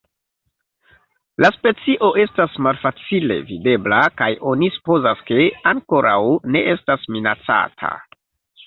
La specio estas malfacile videbla kaj oni supozas, ke ankoraŭ ne estas minacata.